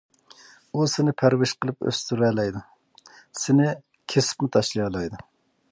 ئۇ سېنى پەرۋىش قىلىپ ئۆستۈرەلەيدۇ، سېنى كېسىپمۇ تاشلىيالايدۇ.